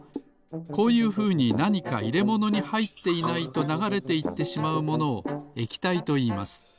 こういうふうになにかいれものにはいっていないとながれていってしまうものを液体といいます。